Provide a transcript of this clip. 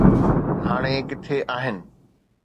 هاڻي ڪٿي آهن